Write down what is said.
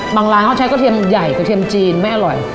ร้านเขาใช้กระเทียมใหญ่กระเทียมจีนไม่อร่อย